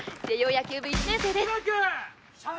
野球部１年生ですしゃー！